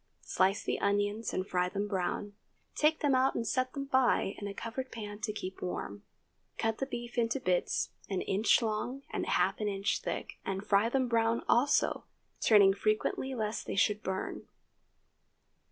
Slice the onions and fry them brown. Take them out and set them by in a covered pan to keep warm. Cut the beef into bits an inch long and half an inch thick, and fry them brown also, turning frequently lest they should burn.